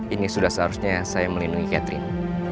ini sudah seharusnya saya melindungi catherine